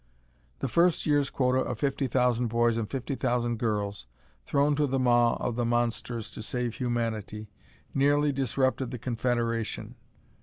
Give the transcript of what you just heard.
The first year's quota of fifty thousand boys and fifty thousand girls, thrown to the maw of the monsters to save humanity, nearly disrupted the Confederation.